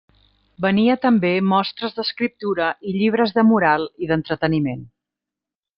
Venia també mostres d'escriptura i llibres de moral i d'entreteniment.